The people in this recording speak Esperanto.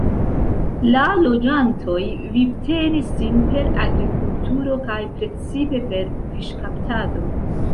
La loĝantoj vivtenis sin per agrikulturo kaj precipe per fiŝkaptado.